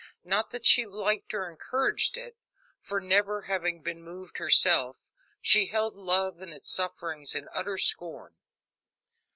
Not that she liked or encouraged it; for, never having been moved herself, she held love and its sufferings in utter scorn.